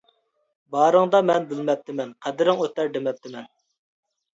بارىڭدا مەن بىلمەپتىمەن، قەدرىڭ ئۆتەر دېمەپتىمەن.